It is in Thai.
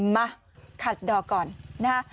มาขัดดอก่อนนะ